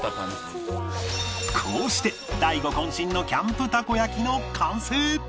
こうして大悟渾身のキャンプたこ焼きの完成！